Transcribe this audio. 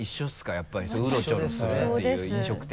やっぱりウロチョロするっていう飲食店。